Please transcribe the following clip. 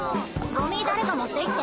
ゴミ誰か持っていって。